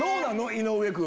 井上君。